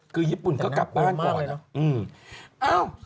คือญี่ปุ่นก็กลับบ้านก่อนเนอะ